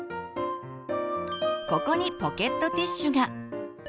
ここにポケットティッシュが。